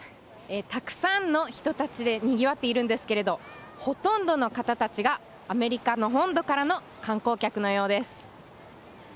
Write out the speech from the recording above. たくさんの人たちでにぎわっているんですけれど、ほとんどの方たちがアメリカの本土からの観光客のようです。